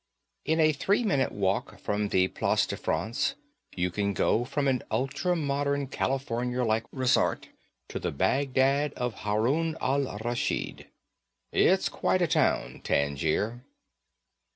In a three minute walk from the Place de France you can go from an ultra modern, California like resort to the Baghdad of Harun al Rashid. It's quite a town, Tangier.